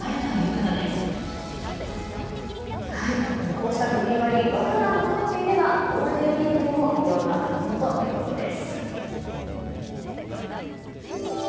こうした区民割枠が残っていればゴールデンウィークでも利用が可能ということです。